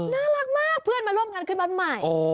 น่ารักมากเพื่อนมาร่วมงานขึ้นบ้านใหม่